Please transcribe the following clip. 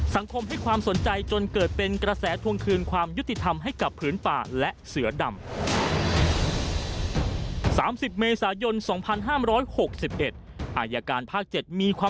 สังคมให้ความสนใจจนเกิดเป็นกระแสทวงคืนความยุติธรรมให้กับผืนป่าและเสือดำ